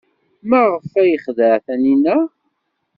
Maɣef ay yexdeɛ Taninna?